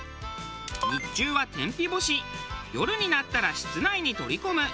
日中は天日干し夜になったら室内に取り込む。